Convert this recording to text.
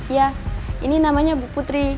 ya ini namanya bu putri